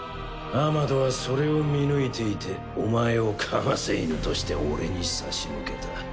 アマドはそれを見抜いていてお前をかませ犬として俺に差し向けた。